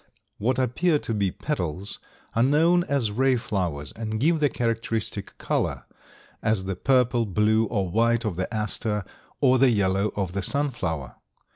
What appear to be petals, are known as ray flowers and give the characteristic color, as the purple, blue or white of the Aster or the yellow of the Sunflower.